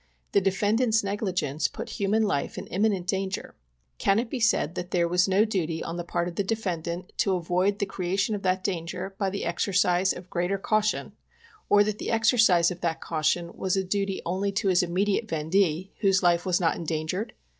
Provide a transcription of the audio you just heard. The delendant's negligence put human life in imminent danger ; can it be said that there "was no duty on the part of the defendant to avoid the crea tion of that danger by the exercise of greater caution or that the exercise of that caution was a duty only to his immediate Tendee, whose life was not endangered?